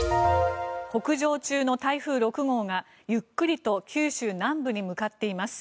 北上中の台風６号が、ゆっくりと九州南部に向かっています。